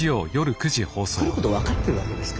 来ること分かってるわけですから。